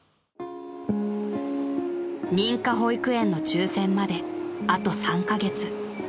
［認可保育園の抽選まであと３カ月］